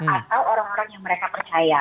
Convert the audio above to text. atau orang orang yang mereka percaya